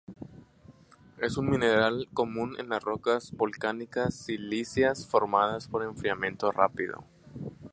Es un mineral común en las rocas volcánicas silíceas formadas por enfriamiento rápido.